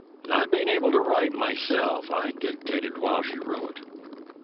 Not being able to write myself, I dictated while she wrote.